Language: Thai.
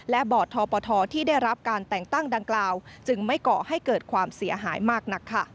และบอร์ดทปทที่ได้รับการแต่งตั้งดังกล่าวจึงไม่ก่อให้เกิดความเสียหายมากนัก